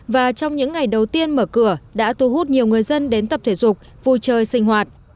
và trong những ngày đầu tiên mở cửa đã thu hút nhiều người dân đến tập thể dục vui chơi sinh hoạt